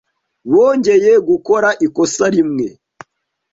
Bongeye gukora ikosa rimwe.